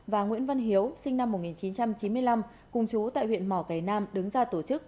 và nguyễn văn hiếu sinh năm một nghìn chín trăm chín mươi năm cùng chú tại huyện mỏ cầy nam đứng ra tổ chức